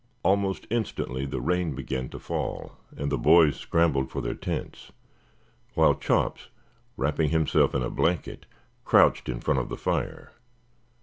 Almost instantly the rain began to fall, and the boys scrambled for their tents, while Chops, wrapping himself in a blanket, crouched in front of the fire.